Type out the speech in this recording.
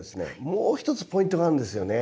もう一つポイントがあるんですよね。